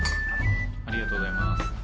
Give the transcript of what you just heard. ありがとうございます。